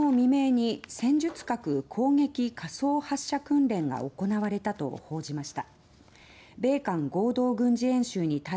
北朝鮮メディアは今日昨日未明に「戦術核攻撃仮想発射訓練」が行われたと報じました。